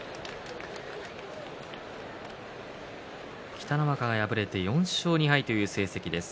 北の若が敗れて４勝２敗という成績です。